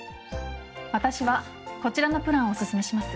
私はこちらのプランをおすすめします。